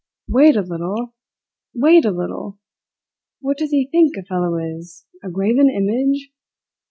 "Wait a little! Wait a little! What does he think a fellow is a graven image?"